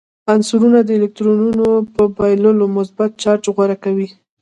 عنصرونه د الکترونونو په بایللو مثبت چارج غوره کوي.